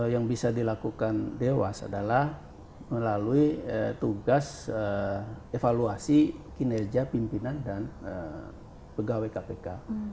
yang bisa dilakukan dewas adalah melalui tugas evaluasi kinerja pimpinan dan pegawai kpk